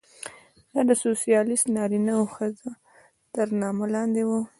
دا د سوسیالېست نارینه او ښځه تر نامه لاندې وه.